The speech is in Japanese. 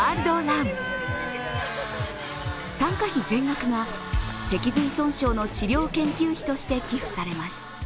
参加費全額が脊髄損傷の治療研究費として寄付されます。